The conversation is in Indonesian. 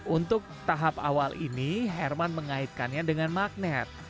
untuk tahap awal ini herman mengaitkannya dengan magnet